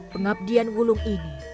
pengabdian wulung ini